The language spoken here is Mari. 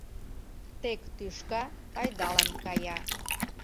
Тек тӱшка пайдалан кая.